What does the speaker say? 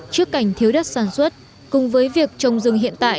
trước cảnh thiếu đất sản xuất cùng với việc trồng rừng hiện tại